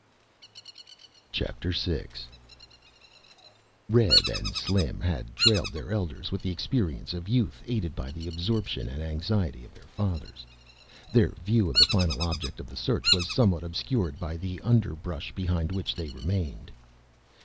VI Red and Slim had trailed their elders with the experience of youth, aided by the absorption and anxiety of their fathers. Their view of the final object of the search was somewhat obscured by the underbrush behind which they remained.